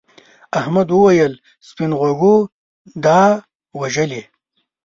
احمد وویل سپین غوږو دا وژلي.